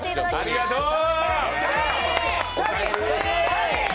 ありがとう。